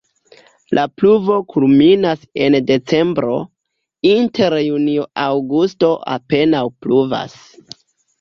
La pluvo kulminas en decembro, inter junio-aŭgusto apenaŭ pluvas.